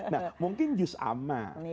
nah mungkin juz amal